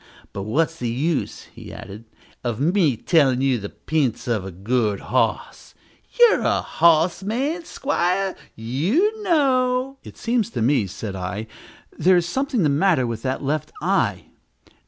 But what's the use," he added, "of me tellin' you the p'ints of a good hos? You're a hos man, 'squire: you know " "It seems to me," said I, "there is something the matter with that left eye."